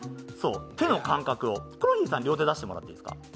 手の感覚を、ヒコロヒーさん両手出してもらっていいですか。